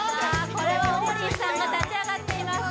これは王林さんが立ち上がっています